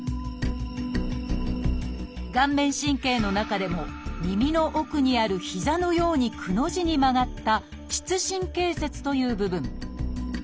顔面神経の中でも耳の奥にある膝のように「く」の字に曲がった「膝神経節」という部分。